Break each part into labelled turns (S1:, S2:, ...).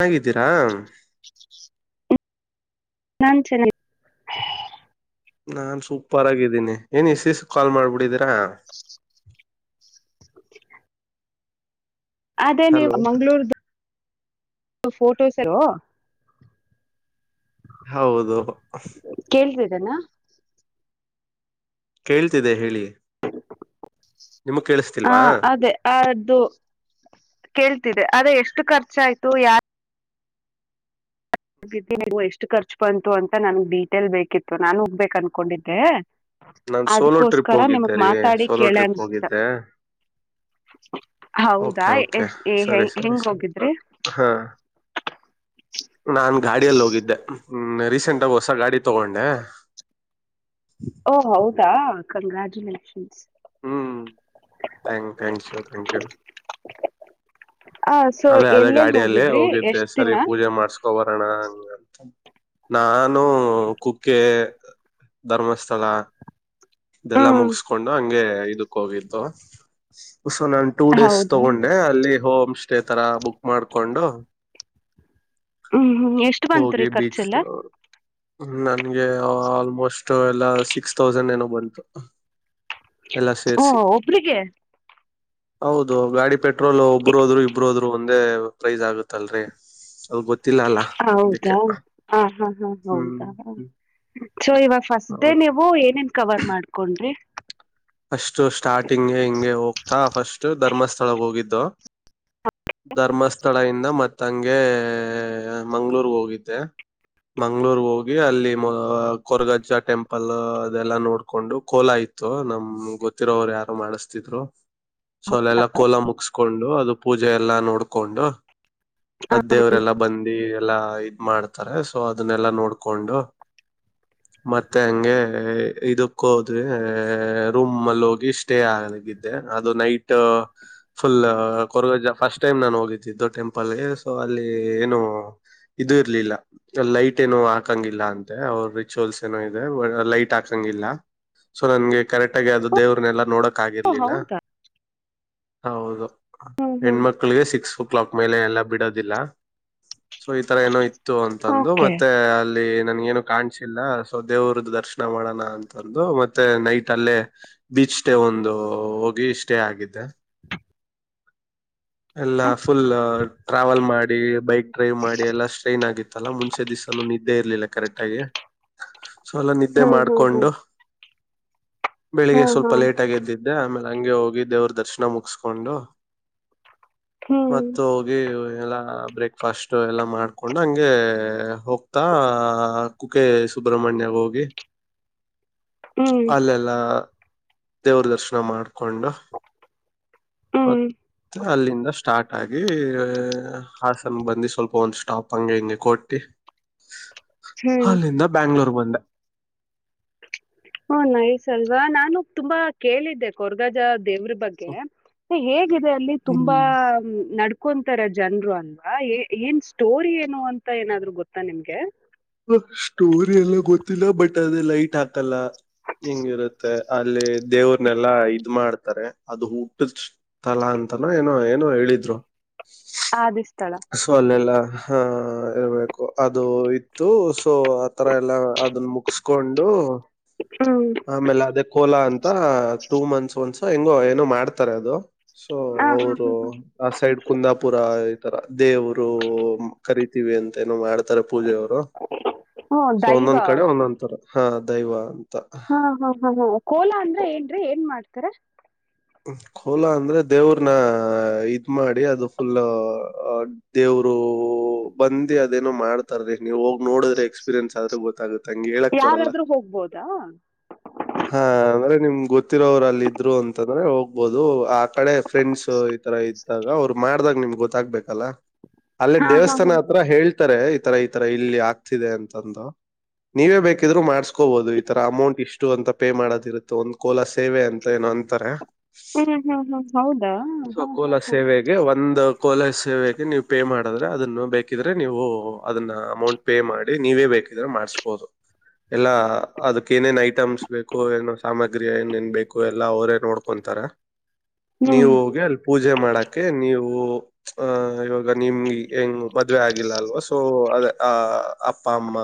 S1: ಮನೆಯಾಗ ಹಿದ್ದೀರಾ
S2: [unintelligible] ನನ್ ಚೆನ್ನ
S1: ನಾನ್ ಸೂಪರ್ ಆಗಿದ್ದೀನಿ ಏನ್ ಇಸಿಸ ಕಾಲ್ ಮಾಡ್ಬಿಡಿದೀರಾ
S2: ಅದೇ ನೀವು
S1: ಹಲೋ
S2: ಮಂಗ್ಗಳೂರ್ ಫೋಟೋಸಾರ
S1: ಹೌದು
S2: ಕೇಳ್ರಿ ಇದನಾ
S1: ಕೇಳ್ತಿದೆ ಹೇಳಿ ನಿಮಗ್
S2: ಹಾ
S1: ಕೇಳಿಸ್ತಿಲ್ವಾ
S2: ಅದೇ ಅದು ಕೇಳ್ತಿದೆ ಆದ್ರ ಎಷ್ಟು ಖರ್ಚ ಆಯ್ತು ಯ ನೀ ಎಷ್ಟು ಖರ್ಚ್ ಬಂತು ಅಂತ ನನ್ಗ್ ಡೀಟೇಲ್ ಬೇಕಿತ್ತು ನಾನು ಹೋಗ್ಬೇಕು ಅನ್ಕೊಂಡಿದ್ದೆ.
S1: ನಾನ್ ಸೋಲೋ ಟ್ರಿಪ್
S2: ಅದ್ಕೋಸ್ಕರ
S1: ಹೋಗಿದ್ದೆ
S2: ನಿಮಗ್
S1: ರೀ
S2: ಮಾತಾಡಿ
S1: ಸೋಲೋ
S2: ಕೇಳನ
S1: ಟ್ರಿಪ್
S2: ಅಂತ
S1: ಹೋಗಿದ್ದೆ
S2: ಹೌದಾ
S1: ಓಕೆ ಓಕೆ ಸರಿ ಸರಿ
S2: ಹೆಂಗ
S1: ಸರಿ
S2: ಹೋಗಿದ್ರಿ
S1: ಹಾ ನಾನು ಗಾಡಿಯಲ್ಲಿ ಹೋಗಿದ್ದೆ ರೀಸೆಂಟಗ ಹೊಸ ಗಾಡಿ ತಗೊಂಡೆ
S2: ಓಹ ಹೌದಾ ಕಂಗ್ರಾಾಜುಲೇಷನ್ಸ್
S1: ಹ್ಮ್ ಥ್ಯಾಂಕ್ಸ್ ಥಾಂಕ್ ಥಾಂಕ್ ಯು
S2: ಹ ಸೊ
S1: ಅದೇ ಅದೇ
S2: ಎಲ್ಲೆಲ್ಲಿ ಹೋಗಿದ್ರಿ ಎಷ್ಟ ದಿನ
S1: ಹೋಗಿ ಬರೋಣ ಅಂತ ನಾನು ಕುಕ್ಕೆ ಧರ್ಮಸ್ಥಳ ಇದೆಲ್ಲಾ
S2: ಹ್ಮ್
S1: ಮುಗಸ್ಕೊಂಡು ಹಂಗೆ ಇದು ಹೋಗಿದ್ದುಸೊ ನಾನ ಟೂ ಡೇಸ್
S2: ಹೌದಾ
S1: ತಗೊಂಡೆ ಅಲ್ಲಿ ಹೋಮ್ ಅಷ್ಟೇ ತರ ಬುಕ್ ಮಾಡ್ಕೊಂಡು
S2: ಹ್ಮ್ ಹ್ಮ್ ಎಷ್ಟು ಬಂತು ರೀ
S1: ಹೋಗಿ ಬಿಚ
S2: ಖರ್ಚೆಲ್ಲ
S1: ನನ್ಗೆ ಆಲ್ಮೋಸ್ಟ್ ಎಲ್ಲಾ ಸಿಕ್ಸ್ ತೌಸಂಡ್ ಏನೋ ಬಂತು ಎಲ್ಲ
S2: ಓ
S1: ಸೇರಿಸಿ
S2: ಒಬ್ರಿಗೆ
S1: ಹೌದು ಗಾಡಿ ಪೆಟ್ರೋಲ್ ಒಬ್ಬರು ಹೋದ್ರು ಇ ಒಂದೇ ಪ್ರೈಸ್ ಆಗುತ್ತಲ್ರಿ ಅ ಗೊತ್ತ
S2: ಹೌದಾ ಹ ಹ ಹಾ
S1: ಹ್ಮ್
S2: ಹೌದಾ
S1: ಹ್ಮ್
S2: ಸೊ ಇವಾಗ ಫಸ್ಟ್ ಡೇ
S1: ಹೌದು
S2: ನೀವು ಏನೇನ್ ಕವರ್ ಮಾಡ್ಕೊಂಡ್ರಿ
S1: ಫಸ್ಟ್ ಸ್ಟಾರ್ಟಿಂಗ್ಗೆ ಹಿಂಗೆ ಹೋಗ್ತಾ ಫಸ್ಟ್ ಧರ್ಮಸ್ಥಳ ಹೋಗಿದ್ದು ಧರ್ಮಸ್ಥಳ ಇದ ಮತ್ತಂಗೆ ಮಂಗಳೂರ್ ಹೋಗಿದ್ದೆ ಮಂಗಳೂರ್ ಹೋಗಿ ಅಲ್ಲಿ ಮ ಕೊರಗಜ್ಜ ಟೆಂಪಲ್ ಅದೆಲ್ಲಾ ನೋಡ್ಕೊಂಡು ಕೋಲಾ ಇತ್ತು ನಮ್ ಗೊತ್ತಿರೋವರು ಯಾರು ಮಾಡಿಸ್ತಿದ್ರು ಸೊ ಅಲ್ಲೆಲ್ಲಾ ಕೋಲಾ ಮುಗಸ್ಕೊಂಡು ಅದು ಪೂಜೆ ಎಲ್ಲಾ ನೋಡ್ಕೊಂಡು ಅ ದೇವರೆಲ್ಲ ಬಂದ ಎಲ್ಲಾ ಇದ್ ಮಾಡ್ತಾರೆ ಸೊ ಅದನ್ನೆಲ್ಲಾ ನೋಡ್ಕೊಂಡು ಮತ್ತೆ ಹಂಗೆ ಇದಕ್ಕ ಹೋದ್ವಿ ರೂಮ್ಲ್ಲಿ ಹೋಗಿ ಸ್ಟೇ ಆಗಿದ್ದೆ ಅದು ನೈಟ್ ಫುಲ್ ಕೊರಗ್ಜ ಫಸ್ಟ್ ಟೈಮ್ ನಾನು ಹೋಗಿದ್ದಿದ್ದು ಟೆಂಪಲ್ಗೆ ಸೊ ಅಲ್ಲಿ ಏನು ಇದು ಇರ್ಲಿಲ್ಲ ಲೈಟ್ ಏನು ಹಾಕಂಗಿಲ್ಲ ಅಂತೆ ಅವ್ರ ರಿಚುವಲ್ಸ್ ಏನೋ ಇದೆ ಲೈಟ್ ಹಾಕಂಗಿಲ್ಲ ಸೊ ನನ್ಗೆ ಕರೆಕ್ಟ್ ಆಗಿ ಅದು ದೇವ್ರನ್ನಲ್ಲ ನೋಡಕ್
S2: ಓ
S1: ಆಗಿರ್ಲಿಲ್ಲ
S2: ಹೌದಾ
S1: ಹೌದು
S2: ಹ್ಮ್ ಹ್ಮ್
S1: ಹೆಣ್ಮಕ್ಳಿಗೆ ಸಿಕ್ಸ್ ಓ ಕ್ಲಾಕ್ ಮೇಲೆ ಎಲ್ಲ ಬಿಡದಿಲ್ಲ ಸೊ ಈ ತರ ಏನೋ ಇತ್ತು ಅಂತಂದು
S2: ಓಕೆ
S1: ಮತ್ತೆ ಅಲ್ಲಿ ನನ್ ಏನು ಕಾಣಸಿಲ್ಲ ಸೊ ದೇವ್ರದ್ದ ದರ್ಶನ ಮಾಡೋಣ ಅಂತಂದು ಮತ್ತೆ ನೈಟ್ ಅಲ್ಲೇ ಬೀಚ್ ಸ್ಟೇ ಒಂದು ಹೋಗಿ ಸ್ಟೇ ಆಗಿದ್ದೆ ಎಲ್ಲಾ ಫುಲ್ ಟ್ರಾವೆಲ್ ಮಾಡಿ ಬೈಕ್ ಡ್ರೈವ್ ಮಾಡಿ ಎಲ್ಲಾ ಸ್ಟ್ರೈನ್ ಆಗಿತ್ತು ತ್ತಲ್ಲಾ ಮುಂಚೆ ದಿವ್ಸನು ನಿದ್ದೆ ಇರ್ಲಿಲ್ಲ ಕರೆಕ್ಟ್ ಆಗಿ ಸೊ ಎಲ್ಲ ನಿದ್ದೆ
S2: ಹ್ಮ್ ಹ್ಮ್ ಹ್ಮ್
S1: ಮಾಡ್ಕೊಂಡು
S2: ಹಾ
S1: ಬೆಳಿಗ್ಗೆ
S2: ಹಾ
S1: ಸ್ವಲ್ಪ ಲೇಟ್ ಆಗ್ದಿದ್ದೆ ಆಮೇಲೆ ಹಂಗೆ ಹೋಗಿ ದೇವ್ರ ದರ್ಶನ ಮುಗಸ್ಕೊಂಡು ಮ
S2: ಹ್ಮ್
S1: ಹೋಗಿಲ್ಲ ಬ್ರೇಕ್ಫಾಸ್ಟ್ ಎಲ್ಲ ಮಾಡ್ಕೊಂಡ್ ಹಂಗೆ ಹೋಗ ಮತ್ತಾ ಕುಕ ಸುಬ್ರ್ಮಣ್ಯ ಹೋಗಿ
S2: [unintelligible]
S1: ಅಲ್ಲ ಅಲ್ಲ ದೇವ್ರ ದರ್ಶನ ಮಾಡ್ಕೊಂಡು
S2: ಹ್ಮ್
S1: ಮತ್ತೆ ಅಲ್ಲಿಂದ ಸ್ಟಾರ್ಟ್ ಆಗಿ ಹಾಸನ ಬಂದು ಸ್ವಲ್ಪ ಒಂದು ಸ್ಟಾಪ್ ಹಂಗೆ ಹಿಂಗೆ ಕೊಟ್ಟಿ
S2: [unintelligible]
S1: ಅಲ್ಲಿಂದ ಬೆಂಗಳೂರಿಗೆ ಬಂದೆ
S2: ಹ ನೈಸ್ ಅಲ್ವಾ ನಾನು ತುಂಬಾ ಕೇಳಿದ್ದೆ ಕೊರಗಜ್ಜ ದೇವ್ರ ಬಗ್ಗೆ ಹೇಗಿದೆ ಅಲ್ಲಿ ತುಂಬಾ ನ ಕಕೊಂತರ ಜನ್ರು ಅಲ್ವಾ ಏನ್ ಸ್ಟೋರಿ ಏನು ಅಂತ ಏನಾದ್ರು ಗೊತ್ತಾ ನಿಮ್ಗೆ
S1: ಸ್ಟೋರಿ ಎಲ್ಲ ಗೊತ್ತಿಲ್ಲ ಬಟ್ ಅದೇ ಲೈಟ್ ಆ ಲ್ಲ ಹೆಗಿರುತ್ತೆ ಅಲ್ಲಿ ದೇವ್ರನೆಲ್ಲಾ ಇದ ಮಾಡ್ತಾರೆ ಅದು ಹುಟ್ಟ ತಲಾ ಅಂತಾನೂ ಏನೋ ಏನೋ ಹೇಳಿದ್ರು
S2: ಆದುಥಳ
S1: ಸೊ ಅಲ್ಲೆಲ್ಲ ಹ ಇರ್ಬೇಕು ಅದು ಇತ್ತು ಸೊ ಆ ತರ ಎಲ್ಲಾ ಅದನ್ನ ಮುಗಸ್ಕೊಂಡು
S2: ಹೌದು
S1: ಆಮೇಲೆ ಅದೇ ಕೋಲಾ ಅಂತ ಟೂ ಮಂತ್ಸ್ ಒಂದ್ಸ ಹೆಂಗೋ ಏನೋ ಮಾಡ್ತಾರೆ ಅದು ಸೊ
S2: ಹ ಹ್ಮ್
S1: ಅವರು
S2: ಹ್ಮ್ ಹ್ಮ್
S1: ಆ ಸೈಡ್ ಕುಂದಾಪುರ ಈ ತರ ದೇವರು ಕರಿತೀವಿ ಅಂತ ಏನೋ ಮಾಡ ಪೂಜೆಯ ಅವರು
S2: ಹ್ಮ
S1: ಸೊ ಒಂದೊಂದ್
S2: ದೈವ
S1: ಕಡೆ ಒಂದೊಂದ್ ತರ ಹಾ ದೈವ ಅಂತ
S2: ಹಾ ಹ ಹ ಹ ಕೋಲಾ ಅಂದ್ರ ಏನ್ರೀ ಏನ್ ಮಾಡ್ತಾರ
S1: ಕೋಲಾ ಅಂದ್ರೆ ದೇವ್ರನ ಇದ್ ಮಾಡಿ ಅದು ಫುಲ್ ದೇವರು ಬಂದು ಅದೇನೋ ಮಾಡ್ತ [unintelligible] ನೀವು ಹೋಗ ನೋಡ್ರ ಎಕ್ಸ್ಪೀರಿಯನ್ಸ್ ಆದ್ರೆ ಗೊತ್ತಾಗುತ್ತೆ ಹಂಗಗೆ ಹೇಳಕ್ ಬರಲ್ಲ
S2: [inaudible] ಹೌದಾ ಹೌದಾ
S1: ಹಾ ಅಂದ್ರೆ ನಿಮ್ ಗೊತ್ತಿರೋರು ಅಲ್ಲಿ ಇದ್ರು ಅಂತಂದ್ರೆ ಹೋಗ್ಬೋದು ಕಡೆ ಫ್ರೆಂಡ್ಸ್ ಈ ತರ ಇದ್ದಾಗ ಅವ್ರು ಮಾಡ್ದಾಗ ನಿಮ್ಗೆ ಗೊತ್ತಾಗ್ಬೇಕಲ್ಲ ಅಲ್ಲೇ
S2: ಹಾ ಹಾ ಹಾ
S1: ದೇವಸ್ಥಾನ
S2: ಹ್ಮ್
S1: ಹತ್ರ ಹೇಳ್ತಾರೆ ಈ ತರ ಈ ತರ ಇಲ್ಲಿ ಆಗ್ತಿದೆ ಅಂತಂದು ನೀವೇ ಬೇಕಿದ್ರು ಮಾಡ್ಸ್ಕೋಬಹುದು ಈ ತರ ಅಮೌಂಟ್ ಇಷ್ಟು ಅಂತ ಪೇ ಮಾಡೋದಿ ಇರುತ್ತ ಒಂದು ಕೋಲ ಸೇವೆ ಅಂತ ಏನು ಅಂತಾರೆ
S2: ಹಾ ಹಾ ಹಾ ಹೌದಾ
S1: ಸಕಲ ಸೇವೆ ಒಂದು ಕೋಲ ಸೇವೆಗೆ ನೀವು ಪೇ ಮಾಡಿದ್ರೆ ಅದನ್ನು ಬೇಕಿದ್ರೆ ನೀವು ಅದನ್ನ ಅಮೌಂಟ್ ಪೇ ಮಾಡಿ ನೀವೇ ಬೇಕಿದ್ರೆ ಮಾಡ್ಸಬೋದು ಎಲ್ಲಾ, ಅದಕ್ ಏನೇನ್ ಐಟಮ್ಸ್ ಬೇಕು. ಏನು ಸಾಮಗ್ರಿ ಏನೇನ್ ಬೇಕು ಎಲ್ಲ ಅವರೇ, ನೋಡ್ಕೊಂತಾರೆ.
S2: ಹೂ
S1: ನೀವು ಹೊಗೆರ ಪುಜೆ ಮಾಡಕ್ಕೆ ನೀವು. ಆಹ, ಇವಾಗ ನಿಮ್ಗೆ ಹೆಂಗು ಮದ್ವೆ ಆಗಿಲ್ಲ, ಅಲ್ವ ಸೊ! ಅದ ಆ ಅಪ್ಪ ಅಮ್ಮ.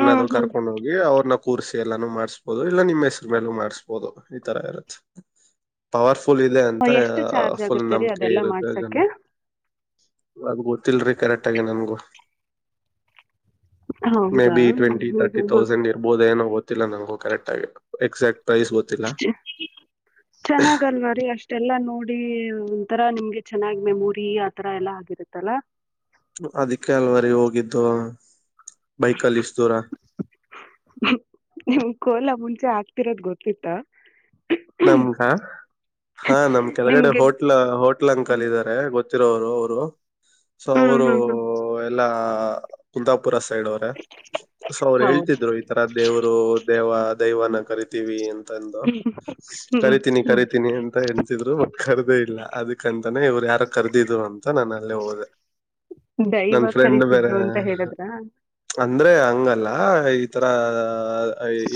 S2: ಹ್ಮ್ ಹ್ಮ್
S1: ಕರ್ಕೊಂಡದು. ಅವ್ರನ್ನ ಕೂರ್ಸಿ ಎಲ್ಲಾನು ಮಾಡಸ್ಬಹದು. ಇಲ್ಲ ನಿಮ್ಮ್ ಹೆಸರು ಮೇಲೂ ಮಾಡ್ಸ್ಬೋದು, ಈ ತರ ಇರುತ್ತೆ. ಪವರ್ಫುಲ್ ಇದೆ, ಅಂತ
S2: ಎಷ್ಟು ಚಾರ್ಜ್
S1: ಫುಲ್
S2: ಆಗತ್ತರಿ
S1: ನಂಬಿಕೆ
S2: ಅದೆಲ್ಲಾ
S1: ಇರುತ್ತೆ ಜನ.
S2: ಮಾಡ್ಸಕ್ಕೆ
S1: ಅದು ಗೊತ್ತಿಲ್ರರಿ, ಕರೆಕ್ಟ್ ಆಗಿ ನನ್ಗು. ಮೇ
S2: ಹೌದಾ
S1: ಬಿ
S2: ಹ್ಮ್
S1: ಟ್ವೆಂಟಿ,
S2: ಹ್ಮ್
S1: ತರ್ಟಿ
S2: ಹ್ಮ್ ಹ್ಮ್
S1: ತೌಸಂಡ್ ಇರ್ಬೋದು ಏನೋ, ಗೊತ್ತಿಲ್ಲ ನಂಗು ಕರೆಕ್ಟ್ ಆಗಿ. ಎಕ್ಸಾಕ್ಟ್ ಪ್ರೈಸ್ ಗೊತ್ತಿಲ್ಲ.
S2: ಷ್ಟ ಎಲ್ಲಾ ನೋಡಿ ಒಂಥರಾ, ನಿಮ್ಗೆ ಚೆನ್ನಾಗಿ ಮೆಮೊರಿ ಆತರ ಎಲ್ಲಾ ಆಗಿರುತ್ತಲ್ಲ.
S1: ಅದಕ್ಕೆ, ಅಲ್ವರಿ ಹೋಗಿದ್ದು. ಬೈಕ್ಲ್ಲಿ ಇಷ್ಟ್ದೂರ.
S2: ್ ಕೋಲಾ ಮುಂಚೆ ಆಗ್ತಿರೋದ್ ಗೊತ್ತಿತ್ತ.
S1: ನಮ್ಗ ಹಾ! ನಮ್ ಕೆಳಗಡೆ
S2: ನಿಮ್ಗೆ
S1: ಹೋಟ್ಲ ಹ. ಅಂಕಲ್ ಇದಾರೆ ಗೊತ್ತಿರೋರು. ಅವರು ಸೊ
S2: ಹ್ಮ್
S1: ಅವರು,
S2: ಹ್ಮ್ ಹ್ಮ್
S1: ಎಲ್ಲ ಕುಂದಾಪುರ ಸೈಡ್ ಅವರ, ಸೊ ಅವ್ರು
S2: ಹೌದಾ
S1: ಹೇಳ್ತಿದ್ರು. ಈ ತರ ದೇವ್ರು, ದೇವ ದೈವನ ಕರಿತೀವಿ ಅಂತಂದು.
S2: ಹ್ಮ
S1: ಕರಿತೀನಿ, ಕರಿತೀನಿ ಅಂತ ಎನ್ಸಿದ್ರು. ಬಟ್ ಕರ್ದೇ ಇಲ್ಲ, ಅದಕ್ಕಂತಾನೇ ಇವ್ರು ಯಾರ ಕರ್ದಿದ್ರು ಅಂತ. ಅ ನಾನಲ್ಲಿ ಹೋದೆ.
S2: ದೈವ
S1: ನನ್ ಫ್ರೆಂಡ್ ಬೇರೆ
S2: ಕರತಿದ್ರು, ಅಂತ ಹೇಳದ್ರ.
S1: ಅಂದ್ರೆ, ಹಂಗಲ್ಲ ಈತರ.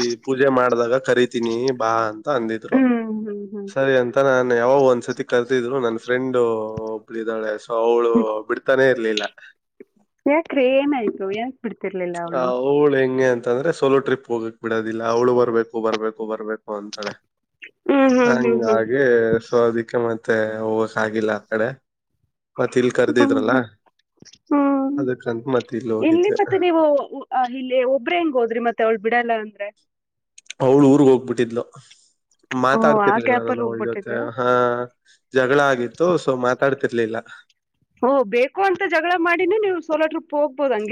S1: ಈ ಪೂಜೆ ಮಾಡಿದಾಗ, ಕರಿತೀನಿ ಬಾ ಅಂತ. ಅಂದಿದ್ರು,
S2: ಹ್ಮ್ ಹ್ಮ್ ಹ್ಮ್
S1: ಸರಿ ಅಂತ ನಾನ್ ಯಾವ ಒಂದ್ಸತಿ. ಕಲ್ತಿದ್ರು, ನನ್ ಫ್ರೆಂಡ್ ಒ ಒಬ್ಬಳು ಸೊ, ಅವಳು ಬಿಡ್ತಾನೆ ಇರ್ಲಿಲ್ಲ.
S2: ಯಾಕ್ರೆ, ಏ ಆಯ್ತು? ಯಾಕ.
S1: ಹ ಅವೌಳ ಹೆಂಗೆ ಅಂತ. ಅಂತಂದ್ರೆ ಸೋಲೋ ಟ್ರಿಪ್ ಹೋಗಕ್ ಬಿಡೋದಿಲ್ಲ ಅವ್ಳು ಬರ್ಬೇಕು ಬರ್ಬೇಕು ಬರ್ಬೇಕು ಅಂತಾಳೆ
S2: ಹ್ಮ್ ಹ್ಮ್ ಹ್ಮ್ ಹ್ಮ್
S1: ಹಂಗೆ ಸೋ ಅದಿಕ್ಕೆ ಮತ್ತೆ ಹೋಗಕ್ ಆಗಿಲ್ಲ ಆ ಕಡೆ ಮತ್ತೆ ಇಲ್
S2: ಹ್ಮ್
S1: ಕರ್ದಿದ್ರಲ್ಲ
S2: ಹ್ಮ್ ಹ್ಮ್
S1: ಅದಕ್ಕಂತ ಮತ್ತೆ ಇಲ್ಲಿ ಹೋಗಿದ್ದೆ
S2: ಆ್ ಇಲ್ಲಿ ಒಬ್ಬ್ರ ಹೆಂಗ ಹೋದ್ರಿ ಮತ್ತೆ ಅವ್ಳ ಬಿಡಲ್ಲ ಅಂದ್ರೆ
S1: ಅವ್ಳು ಊರ್ಗ್ ಹೋಗ್ಬಿಟ್ಟಿದ್ಲು
S2: ಓ ಆ
S1: ಮಾತಾಡ್ತಿರ್ಲಿಲ್ಲ
S2: ಗ್ಯಾಪ್
S1: ನಾನ
S2: ಅಲ್ಲಿ
S1: ಅವಳ ಜೊತೆ
S2: ಹೋಗ್ಬಿಟ್ಟಿದ್ರಾ?
S1: ಹಾ ಜಗಳ ಆ ಆಿತ್ತು ಸೊ ಮಾತಾಡ್ತಿರ್ಲಿಲ್ಲ
S2: ಓ ಬೇಕು ಅಂತ ಜಗಳ ಮಾಡಿನ ನೀವು ಸೋಲ ಟ್ರಿಪ್ ರು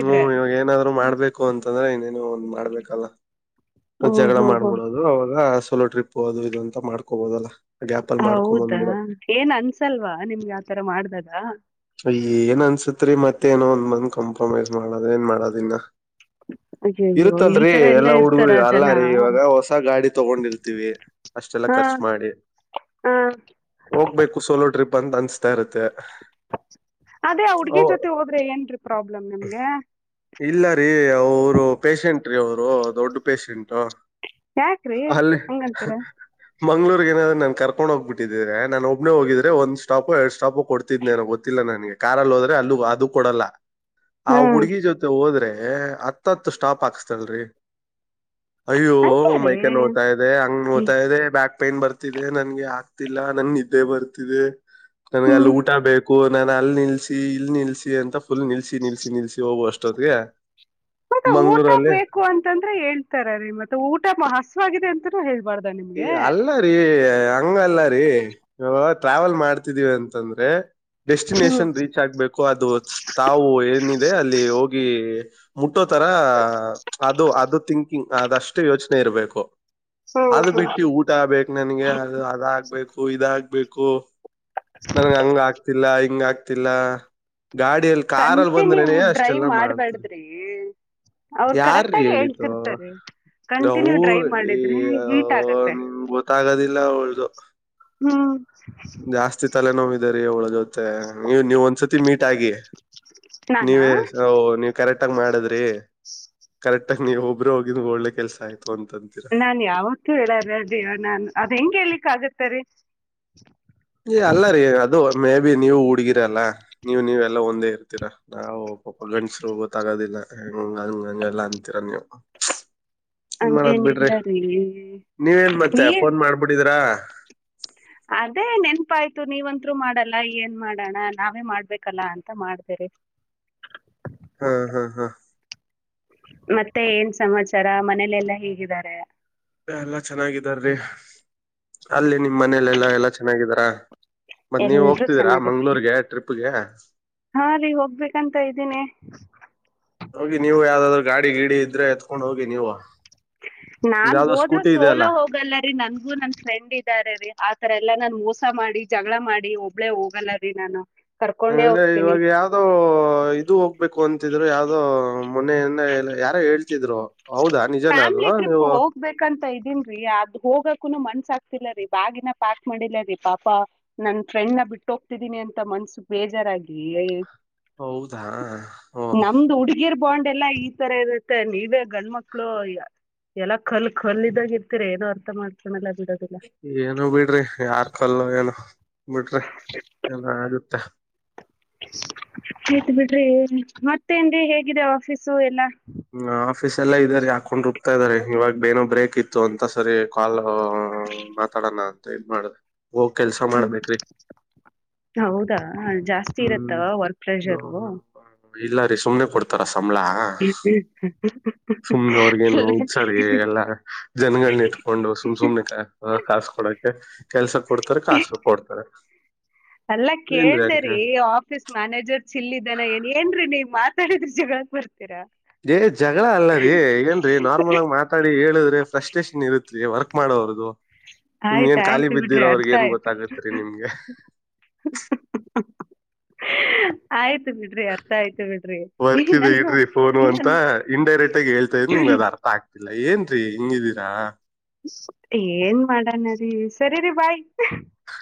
S1: ಹ್ಮ್ ಇವಾಗ ಏನಾದ್ರು ಮಾಡ್ಬೇಕು ಬು ಅಂತಂದ್ರೆ ಇನ್ನೇನು ಒಂದ್ ಮಾಡ್ಬೇಕಲ್ಲ
S2: ಓಹೋ
S1: ಜಗಳ
S2: ಹೋ ಹೋ,
S1: ಮಾಡ್ಬಿಡದು ದು ಅವಾಗ ಸೋಲೋ ಟ್ರಿಪ್ ಅದು ಇದು ಅಂತ ಮಾಡ್ಕೋಬೋದಲ್ಲ ಗ್ಯಾಪ್ ಅಲ್ಲಿ ಮಾಡ್ಕೊಂಡ್
S2: ಹೌದಾ
S1: ಬಂದ್ಬಿಡೋದು
S2: ಏನ್ ಅನ್ಸಲ್ವಾ ನಿಮ್ಗೆ ಯತರ ಮಾಡ್ದದ
S1: ಏನ್ ಅನ್ಸತ್ರಿ ಮತ್ತೇಏನೋ ಒಂದ್ ಬಂದ್ ಕಾಂಪ್ರಮೈಸ್ ಮಾಡದ ಏನ್ ಮಾಡೋದ ಇನ್ನ
S2: ಅಯ್ಯಯ್ಯೋ ಈ
S1: ಇರುತ್ತಲ್ರಿ
S2: ತರ
S1: ಎಲ್ಲಾ
S2: ಇರ್ತಾರ
S1: ಹುಡ್ಗರು
S2: ಜನ
S1: ಅಲ್ಲರೀ ಇವಾಗ ಹೊಸ ಗಾಡಿ ತಗೊಂಡಿರ್ತೀವಿ ಅಷ್ಟೆಲ್ಲಾ
S2: ಹಾ
S1: ಖರ್ಚು ಮಾಡಿ
S2: ಹಾ
S1: ಹೋಗ್ಬೇಕು ಸೋಲೋ ಟ್ರಿಪ್ ಅಂತ ಅನ್ಸ್ತಾ ಇರುತ್ತೆ
S2: ಅದೇ ಹುಡ್ಗಿ ಜೊತೆ ಹೋದ್ರೆ ಏನ್ರೀ ಪ್ರಾಬ್ಲಮ್ ನಿಮ್ಗೆ
S1: ಇಲ್ಲ ರೀ ಅವರು ಪೇಶೆಂಟ್ ರೀ ಅವರು ದೊಡ್ಡ ಪಷೆಂಟ್
S2: ಯಾಕ್ರಿ
S1: ಅಲ್ಲಿ
S2: ಹಂಗಂತೀರ
S1: ಮಂಳೂರ್ ಏನಾದ್ರ ನನ್ ಕರ್ಡ ಹೋಗ್ಬಟ್ಟಿದ್ರ ನನ್ ಒಬ್ಬನ ಹೋಗಿದ್ರ ಒಂದ್ ಸ್ಟಾಪ ಎಡ್ ಸ್ಟಾಪು ಕೊಡ್ತಿದ್ನೇನೋ ಗೊತ್ತಿಲ್ಲ ನನ್ಗೆ ಕಾರಲ್ಲಿ ಹೋದ್ರೆ ಅಲ್ಲೂ ಅದು ಕೊಡಲ್ಲ ಆ
S2: ಹ್ಮ್
S1: ಹುಡ್ಗಿ ಜೊತೆ ಹೋದ್ರೆ ಹತ್ತತ್ತು ಸ್ಟಾಪ್ ಹಾಕ್ಸ್ತಲ್ರರಿ ಅಯ್ಯೋ
S2: ಹಂಗೆ ರೀ
S1: ಮೈಕನ್ ನೋದ್ತಾ ಇದೆ ಹಂಗ್ ನೋ್ತಾ ಇದೆ ಬ್ಯಾಕ್ ಪೇನ್ ಬರ್ತಿದೆ ನನ್ಗೆ ಆಗ್ತಿಲ್ಲ ನನ್ ನಿದ್ದೆ ಬರ್ತಿದೆ ನನ್ಗೆ ಅಲ್ಲಿ
S2: ಹ್ಮ್
S1: ಊಟ ಬೇಕು ನಾನನ್ ಅಲ್ಲಿ ನಿಲ್ಸಿ ಇಲ್ ನಿಲ್ಸ ಅಂತ ಫುಲ್ ನಿಲ್ಸ ನಿಲ್ಸಿ ನಿಲ್ಸಿ ಹೋಗುವ ಅಷ್ಟೊತ್ಗೆ
S2: ಮತ್ತೆ ಊಟ
S1: ಮಂಗ್ಳೂರಲ್ಲಿ
S2: ಬೇಕು ಹೇಳ್ತಾರ ನಿ ಮತ್ತ ಊಟ ಹಸವಾಗಿದೆ ಅಂತನೂ ಹೇಳ್ಬಾರ್ದ
S1: ಈ
S2: ನಿಮ್ಗೆ
S1: ಅಲ್ಲ ರೀ ಹಂಗಲ್ಲ ರೀ ಟ್ರಾವೆಲ್ ಮಾಡ್ತಿದೀವಿ ಅಂತಂದ್ರೆ
S2: ಹ್ಮ್
S1: ಡೆಸ್ಟಿನೇಷನ್ ರೀಚ್ ಆಗ್ಬೇಕು ಅದು ತಾವು ಏನಿದೆ ಅಲ್ಲಿ ಹೋಗಿ ಮುಟ್ಟೋತರ ಅದು ಅದು ತಿಕಿಂಗ್ ಅದಷ್ಟು ಯೋಚನೆ ಇರ್ಬೇಕು ಅದು ಬಿಟ್ಟು
S2: ಹ್ಮ್
S1: ಊಟ ಆಗ್ಬೇಕು ನನ್ಗೆ ಅದು ಅದಾಗಗ್ಬೇಕು ಇದಾಗಗ್ಬೇಕು ನನ್ಗೆ ಹಂಗ ಆಗ್ತಿಲ್ಲ ಹಿಂಗ ಆಗ್ತಿಲ್ಲ ಗಾಡಿಯಲ್ಲಿ ಕಾರಲ್ಲಿ
S2: ಕಂಟಿ ನೀವು
S1: ಬಂದ್ರೇನೆ
S2: ಡ್ರೈವ್
S1: ಅಷ್ಟೆಲ್ಲಾ ಮಾಡ್ತಾರೆ
S2: ಮಾಡ್ಬ್ಯಾಡ್ದ್ರಿ ಅವರು
S1: ಯಾರ್ರೀ
S2: ಕರೆಕ್ಟ್ಗ
S1: ಹೇಳಿದ್ದು
S2: ಹೇಳ್ತಿರ್ತಾರೆ ಕಂಟಿನ್ಯೂ ಡ್ರೈ
S1: ಅವ್ರ್ ಈ
S2: ಮಾಡಿದ್ರೆ ಹೀಟ್ ಆಗತ್ತೆ
S1: ಗೊತ್ತಾಗೋದಿಲ್ಲ ಒಳ್ಳದು
S2: ಹ್ಮ್
S1: ಜಾಸ್ತಿ ತಲೆ ನೋ್ಿದ ರೀ ಅವಳ ಜೊತೆ ನೀವ್ ನೀವ್ ಒಂದ್ಸತಿ ಮೀಟ್ ಆಗಿ ನೀವ
S2: ನಾನಾ
S1: ನೀ ಕರೆಕ್ಟ್ ಆಗಿ ಮಾಡದ್ರಿ ಕರೆಕ್ಟ್ ಆಗಿ ನೀವು ಒಬ್ಬರು ಹೋಗಿದ ಒಳ್ಳೆ ಕೆಲ್ಸ ಆಯ್ತು ಅಂತ ಅಂತಿದ್ರು
S2: ನಾನ್ ಯಾವತ್ತು ಹೇಳಾರ ದವನ ನಾನ್ ಅದ ಹೆಂಗ ಹೇಳಿಲಿಕ್ಕೆ ಆಗತ್ತರಿ
S1: ಅಲ್ಲ ರೀ ಅದು ಮೇ ಬಿ ನೀವು ಹುಡ್ಗಿರಲ್ಲಾ ನೀವ್ ನೀವೆಲ್ಲ ಒಂದೇ ಇರ್ತೀರಾ ನಾವು ಒಬ್ಬ ಗಂಡಸು ಗೊತ್ತಾಗೋದಿಲ್ಲ ಹೆಂಗ ಹಂಗ ಹಂಗ ಎಲ್ಲಾ ಅಂತೀರ ನೀವು ಏನ್ ಮಾಡದ್ ಬಿಡ್ರಿ
S2: ಹಂಗೇನಿಲ್ಲ ರೀ
S1: ನೀವೇನ್ ಮತ್ತೆ
S2: ನೀರ್
S1: ಫೋನ್ ಮಾಡಬಿಟಿದಿರಾ
S2: ಅದೇ ನೆನ್ಪಾಯ್ತು ನೀವಂತು ಮಾಡಲ್ಲ ಏನ್ ಮಾಡಣ ನಾವೇ ಮಾಡ್ಬೇಕಲ್ಲ ಅಂತ ಮಾಡ್ದೇರಿ
S1: ಹ್ಮ ಹ್ಮ ಹಾ
S2: ಮತ್ತೆ ಏನ್ ಸಮಾಚಾರ ಮನೇಲೆ ಎಲ್ಲಾ ಹೇಗಿದ್ದಾರೆ
S1: ಎಲ್ಲಾ ಚೆನ್ನಾಗಿದಾರ ರೀ ಅಲ್ಲಿ ನಿಮ್ ಮನೇಲೆಲ್ಲ ಎಲ್ಲಾ ಚೆನ್ನಾಗಿದಾರ ಮತ್ತ ನೀವ್
S2: ಎಲ್ರೂ
S1: ಹೋಗ್ತಿದ್ದೀರಾ
S2: ಚೆನ್ನಾಗಿದ್ದಾರೆ
S1: ಮಂಗಳೂರುಗೆ ಟ್ರಿಪ್ಗೆ
S2: ಹಾ ರೀ ಹೋಗ್ಬೇಕಂತ ಇದ್ದೀನಿ
S1: ಹೋಗಿ ನೀವು ಯಾವ್ದಾದ್ರು ಗಾಡಿ ಗಿಡಿ ಇದ್ರೆ ಎತಕೊಂಡ್ ಹೋಗಿ ನೀವು ನಿಮ್ದ್
S2: ನಾನ್
S1: ಯಾವ್ದೋ
S2: ಹೋದ್ರರು
S1: ಸ್ಕೂಟಿ ಇದೆ ಅಲ್ಲ
S2: ಸೋಲೋ ಹೋಗಲ್ಲ ರೀ ರೀ ನನ್ಗೂ ನನ್ ಫ್ರೆಂಡ್ ಇದ್ದಾರೆ ರೀ ಆತರ ಎಲ್ಲಾ ನಾನನ್ ಮೋಸ ಮಾಡಿ ಜಗಳ ಮಾಡಿ ಒಬ್ಬಳೇ ಹೋಗಲ್ಲ ರಿ ನಾನು ಕರ್ಕೊಂಡೇ
S1: ಅಂಗಾದ್ರೆ
S2: ಹೋಗ್ತೀನಿ
S1: ಇವಾಗ್ ಯಾವೋದೊ ಇದು ಹೋಗ್ಬೇಕು ಅಂತಿದ್ರು ಯಾವ್ದೋ ಮೊನೆಯನ್ನ ಯಾರೋ ಹೇಳ್ತಿದ್ರು ಹೌದಾ ನಿಜಾನೇ ಅದು ನೀವು
S2: ಹೊಗ್ಬೆಕು ಅಂತ ಇದೀನ್ ರೀ ಅದ್ ಹೋಗಕುನು ಮನ್ಸ ಆಗ್ತಿಲ್ಲ ರೀ ಬ್ಯಾಗಿನ ಪಾಕ್ ಮಾಡಿಲ್ಲ ರೀ ಪಾಪ ನನ್ ಫ್ರೆಂಡ್ ನ ಬಿಟ್ಟ ಹೋಗ್ತಿದೀನಿ ಅಂತ ಮನ್ಸು ಬೇಜಾರಾಗಿ ರೀ
S1: ಹೌದಾ ಓ
S2: ಇಯರ್ ಬಾಂಡ್ ಎಲ್ಲಾ ಈ ತರ ಇರುತ್ತೆ ಇದ ಗಂಡ ಮಕ್ಕಳು ಎಲ್ಲ ಕಲ್ ಕಲ್ಲಿದಾಗ ಇರ್ತೀರ ಏನೋ ಅರ್ಥ ಮಾಡ್ಕೊಳ್ಳಲ್ಲ ಬಿಡು
S1: ಏನು ಬಿಡ್ರಿ ಯಾರ್ ಕಲ್ಲೋ ಏನು ಬಿಡ್ರಿ ಏನ ಆಗುತ್ತೆ
S2: ಆಯಿತ್ ಬಿಡ್ರಿ ಮತ್ತೇನ್ರಿ ಹೇಗಿದೆ ಆಫೀಸು ಎಲ್ಲಾ
S1: ಹ ಆಫೀಸ್ ಎಲ್ಲ ಇದ್ದಾರೆ ಹಾಕೊಂಡ್ ರುಬ್ತಾ ಇದ್ದಾರೆ ಇವಾಗ ಎನೋ ಬ್ರೇಕ್ ಇತ್ತು ಅಂತ ಸರಿ ಕಾಲ್ ಮಾತಾಡೋಣ ಅಂತ ಇದ ಮಾಡ ಹೋಗ ಕೆಲ್ಸ
S2: ಹ್ಮ್
S1: ಮಾಡ್ಬೇಕ್ರಿ
S2: ಹೌದಾ ಜಾಸ್ತಿ
S1: ಹ್ಮ್
S2: ಇರತ್ತವಾ ವರ್ಕ್ ಪ್ಲೆಸರು
S1: ಇಲ್ಲ ರೀ ಸುಮ್ನೆ ಕೊಡ್ತಾರ ಸಂಬಳಾ
S2: ಹ್ಮ್ ಹ್ಮ್ ಹ್ಮ್ ಹ್ಮ್
S1: ಸುಮ್ನೆವರ್ಗೇನು ಹುತ್ಸಾರಿ ಎಲ್ಲಾ ಜನಗಳನ್ನ ಇಟ್ಕೊಂಡು ಸುಮ್ ಸುಮ್ಮನೆ ಕ ಕಾಸ್ಕೊಡಕ್ಕೆ ಕೆಲ್ಸ ಕೊಡ್ತಾರೆ ಕಾಸು ಕೊಡ್ತಾರೆ
S2: ಅಲ್ಲಾ
S1: ಏನ್ರೀ ಹಂಗೆ
S2: ಕೇಳ್ದರಿ ಆಫೀಸ್ ಮ್ಯಾನೇಜರ್ ಚಿಲ್ಲಿದ್ದನ ಏನ್ ಏನ್ರೀ ನೀವ್ ಮಾತಾಡಿದ್ರಿ ಜಗಳಕ್ ಬರ್ತೀರಾ
S1: ಏ ಜಗಳ ಅಲ್ಲರೀ ಏನ ನಾರ್ಮಲ್ ಆಗ ಮಾತ್ ಮಾತಾಡಿ ಹೇಳಿದ್ರೆ ಫ್ರಸ್ಟ್ರೇಷನ್ ಇರುತ್ರಿ ವರ್ಕ್ ಮಾಡೋರ್ದು ನಿಮ್ಗೆ
S2: ಆಯ್ತು
S1: ಏನ್ ಖಾಲಿ
S2: ಆಯ್ತು ಬಿಡ್ರಿ
S1: ಬಿದ್ದಿರೋ ಅವ್ರಗ್
S2: ಅರ್ಥ
S1: ಏನ್
S2: ಆಯ್ತು
S1: ಗೊತ್ತಾಗತ್ರಿ ನಿಮ್ಗೆ
S2: ಆಯ್ತು ಬಿಡ್ರಿ ಅರ್ಥ ಆಯ್ತು ಬಿಡ್ರಿ
S1: ವರ್ಕ್ ಇದೆ
S2: ನಾನು
S1: ಇಡ್ರಿ ಫೋನು ಅಂತ
S2: ನಾನು
S1: ಇನ್ಡೈರೆಕ್ಟ್ ಆಗಿ ಹೇಳ್ತಾ ಇದ್ರಿ ನಿಮ್ಗೆ ಅರ್ಥ ಆಗ್ತ ಇಲ್ಲ ಏನ್ರರಿ ಹಿಂಗಿದೀರಾ
S2: ಏನ್ ಮಾಡೋಣರಿ ಸರಿ ರಿ ಬಾಯ್
S1: ಹ